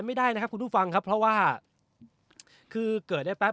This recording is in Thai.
ไม่ได้นะครับคุณผู้ฟังครับเพราะว่าคือเกิดได้แป๊